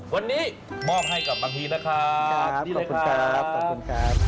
วันนี้มอบให้กับบางทีนะครับนี่ขอบคุณครับขอบคุณครับ